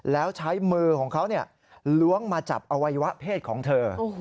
แล้วใช้มือของเขาล้วงมาจับอวัยวะเพศของเธอ